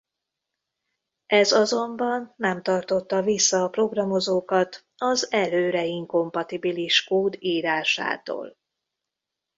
Ez azonban nem tartotta vissza a programozókat az előre-inkompatibilis kód írásától.